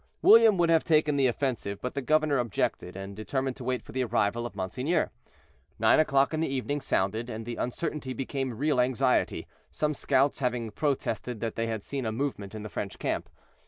William would have taken the offensive, but the governor objected, and determined to wait for the arrival of monseigneur. Nine o'clock in the evening sounded, and the uncertainty became real anxiety, some scouts having protested that they had seen a movement in the French camp.